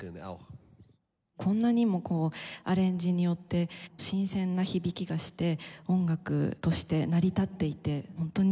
こんなにもアレンジによって新鮮な響きがして音楽として成り立っていてホントに素晴らしいと感じました。